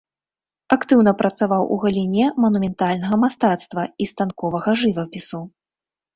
Актыўна працаваў у галіне манументальнага мастацтва і станковага жывапісу.